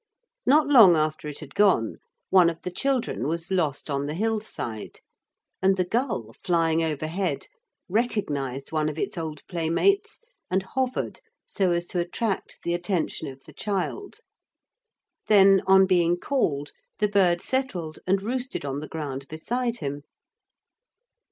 Not long after it had gone, one of the children was lost on the hillside, and the gull, flying overhead, recognised one of its old playmates and hovered so as to attract the attention of the child. Then, on being called, the bird settled and roosted on the ground beside him.